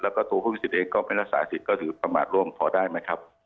แล้วก็ตัวผู้มีสิทธิ์เองก็ไม่รักษาสิทธิ์ประมาทร่วมพอได้ไหมครับ